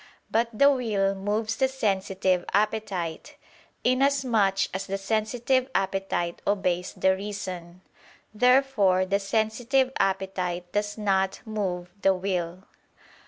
But the will moves the sensitive appetite, inasmuch as the sensitive appetite obeys the reason. Therefore the sensitive appetite does not move the will.